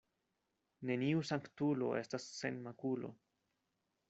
Neniu sanktulo estas sen makulo.